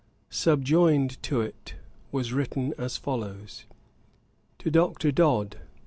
Subjoined to it was written as follows: 'To DR. DODD.